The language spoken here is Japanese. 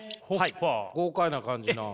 豪快な感じな。